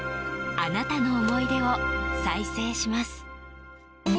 あなたの思い出を再生します。